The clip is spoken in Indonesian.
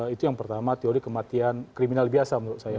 itu yang pertama teori kematian kriminal biasa menurut saya